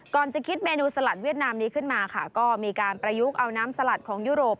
จะคิดเมนูสลัดเวียดนามนี้ขึ้นมาค่ะก็มีการประยุกต์เอาน้ำสลัดของยุโรป